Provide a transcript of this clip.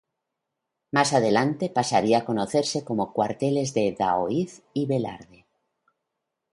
Más adelante pasarían a conocerse como cuarteles de Daoiz y Velarde.